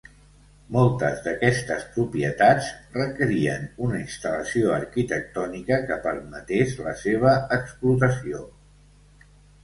Moltes d'aquestes propietats requerien una instal·lació arquitectònica que permetés la seva explotació.